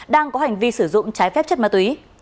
đang có hành vi sử dụng trái phép chất ma túy